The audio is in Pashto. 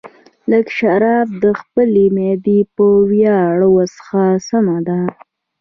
لږ شراب د خپلې معدې په ویاړ وڅښه، سمه ده.